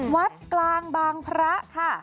วัดกลางบางพระค่ะ